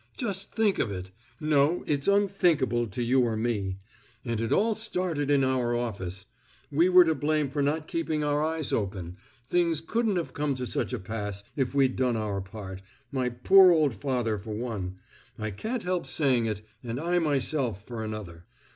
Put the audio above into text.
Just think of it; no, it's unthinkable to you or me. And it all started in our office; we were to blame for not keeping our eyes open; things couldn't have come to such a pass if we'd done our part, my poor old father for one I can't help saying it and I myself for another.